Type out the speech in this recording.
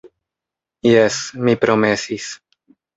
Jes, mi promesis.